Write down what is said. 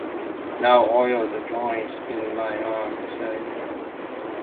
"Now oil the joints in my arms," he said.